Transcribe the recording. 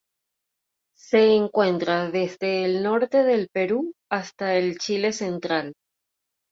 Se encuentra desde el norte del Perú hasta el Chile central.